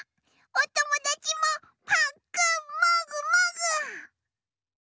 おともだちもぱっくんもぐもぐ。